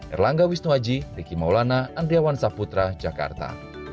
erlangga wisnuaji riki maulana andriawan saputra jakarta